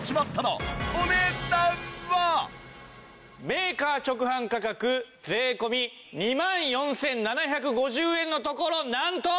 メーカー直販価格税込２万４７５０円のところなんと。